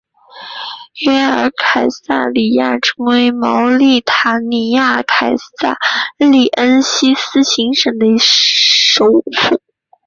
约尔凯撒里亚成为茅利塔尼亚凯撒利恩西斯行省的首府。